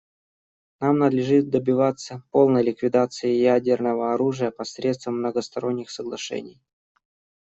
Нам надлежит добиваться полной ликвидации ядерного оружия посредством многосторонних соглашений.